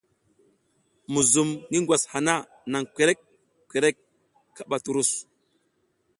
Muzum ngi ngwas hana, nan kwerek kaɓa turus.